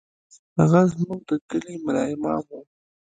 هغه زموږ د کلي ملا امام و.